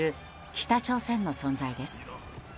北朝鮮の存在です。